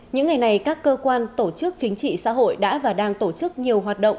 những ngày này các cơ quan tổ chức chính trị xã hội đã và đang tổ chức nhiều hoạt động